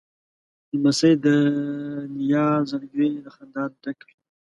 لمسی د نیا زړګی له خندا ډکوي.